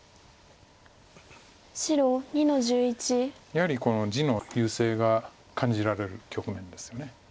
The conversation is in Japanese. やはりこの地の優勢が感じられる局面ですよね。